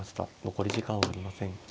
残り時間はありません。